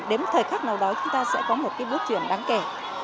đến thời khắc nào đó chúng ta sẽ có một cái bước chuyển đáng kể